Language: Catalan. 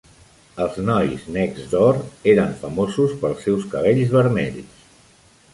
Els Noise Next Door eren famosos pels seus cabells vermells.